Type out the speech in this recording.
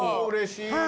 うれしい。